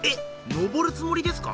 登るつもりですか？